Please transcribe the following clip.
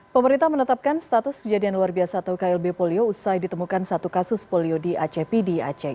pemerintah menetapkan status kejadian luar biasa atau klb polio usai ditemukan satu kasus polio di aceh pdi aceh